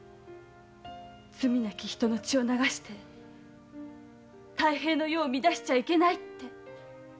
罪なき人の血を流して太平の世を乱しちゃいけないって。